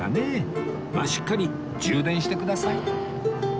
まあしっかり充電してください